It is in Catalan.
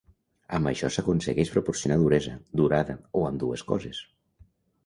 Amb això s'aconsegueix proporcionar duresa, durada, o ambdues coses.